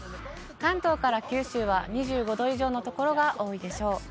関東から九州は２５度以上の所が多いでしょう。